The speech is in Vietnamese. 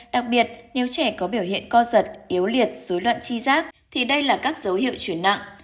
đặc biệt nếu trẻ có biểu hiện co giật yếu liệt dối loạn chi giác thì đây là các dấu hiệu chuyển nặng